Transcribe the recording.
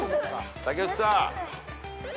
竹内さん